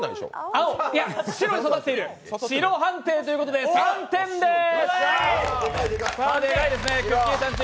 青、いや、白に刺さっている、白判定ということで３点です。